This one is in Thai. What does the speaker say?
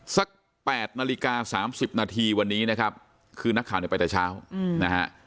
สัก๘นาฬิกา๓๐นาทีวันนี้นะครับคือนักข่าวเนี่ยไปแต่เช้านะฮะ